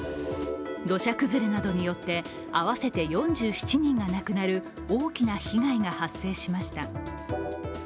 土砂崩れなどによって合わせて４７人が亡くなる大きな被害が発生しました。